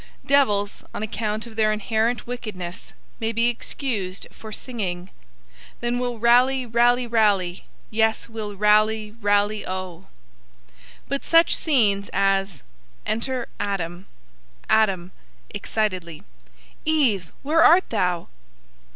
Devils, on account of their inherent wickedness, may be excused for singing Then we'll rally rally rally Yes, we'll rally rally O! but such scenes as Enter ADAM. ADAM (excitedly). Eve, where art thou?